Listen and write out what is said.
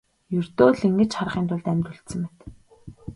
Ердөө л ингэж харахын тулд амьд үлдсэн мэт.